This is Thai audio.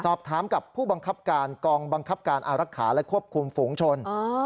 สอบถามกับผู้บังคับการกองบังคับการอารักษาและควบคุมฝูงชน